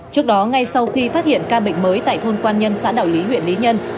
trước đó ngay sau khi phát hiện ca bệnh mới tại thôn quan nhân xã đảo lý huyện lý nhân